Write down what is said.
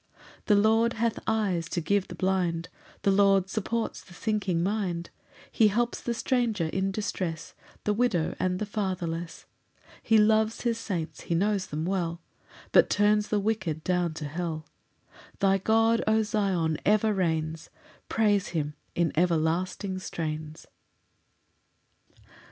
6 The Lord hath eyes to give the blind; The Lord supports the sinking mind; He helps the stranger in distress, The widow and the fatherless. 7 He loves his saints, he knows them well, But turns the wicked down to hell: Thy God, O Zion, ever reigns; Praise him in everlasting strains.